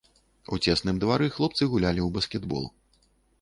У цесным двары хлопцы гулялі ў баскетбол.